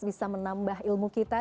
bisa menambah ilmu kita